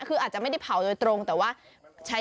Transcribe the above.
คืออาจจะไม่ได้เผาโดยตรงแต่ว่าใช้